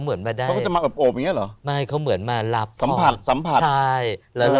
เห็นมองเหลือไปเห็นเลย